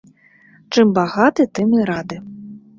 Чым багаты, тым і рады.